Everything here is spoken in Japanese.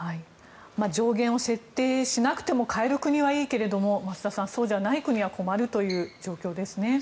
上限を設定しなくても買える国はいいけれども増田さん、そうじゃない国は困るという状況ですね。